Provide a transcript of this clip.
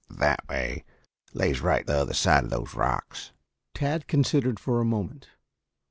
"That way. Lays right the other side of those rocks." Tad considered for a moment.